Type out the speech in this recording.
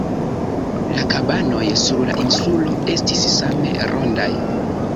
La kabanoj sur la insulo estis same rondaj.